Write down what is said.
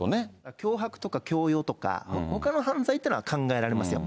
脅迫とか、強要とか、ほかの犯罪というのは考えられますよ。